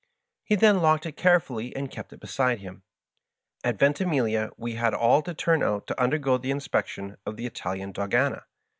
He then locked it carefully and kept it beside him. At Yentimiglia we had aU to turn out to undergo the inspection of the Italian dogcma.